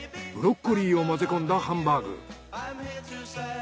ブロッコリーを混ぜ込んだハンバーグ。